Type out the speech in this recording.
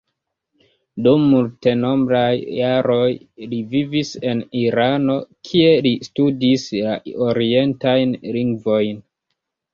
Dum multenombraj jaroj li vivis en Irano, kie li studis la orientajn lingvojn.